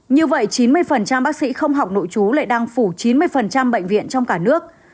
như vậy chín mươi bác sĩ không học nội chú lại đang phủ chín mươi bệnh viện trong cả nước